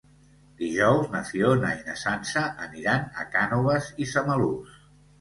Dijous na Fiona i na Sança aniran a Cànoves i Samalús.